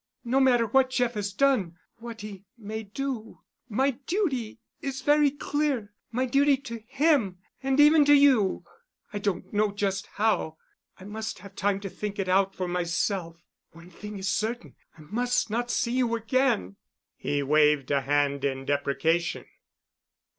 No matter what Jeff has done, what he may do, my duty is very clear—my duty to him, and even to you. I don't know just how—I must have time to think it out for myself. One thing is certain: I must not see you again." He waved a hand in deprecation.